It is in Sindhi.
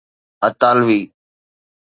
اطالوي